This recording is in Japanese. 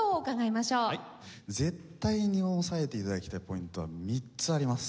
絶対に押さえて頂きたいポイントは３つあります。